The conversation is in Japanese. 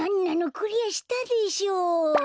クリアしたでしょ。